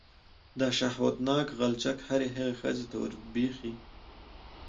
دا شهوتناک غلچک هرې هغې ښځې ته وربښې.